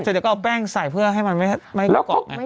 เสร็จดีกว่าเอาแป้งใส่เพื่อให้มันไม่กล้อง